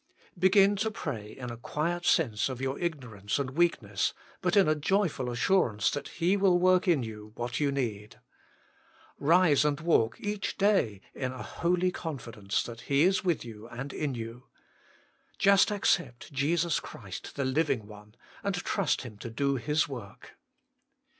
Begin to pray in a WILT THOU BE MADE WHOLE? 103 quiet sense of your ignorance and weakness, but in a joyful assurance that He will work in you wLat you need. Kise and walk each day in a holy con fidence that He is with you and in you. Just accept Jesus Christ the Living One, and trust Him to do His work.